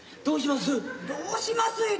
どうします？